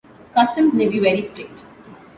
Customs may be very strict.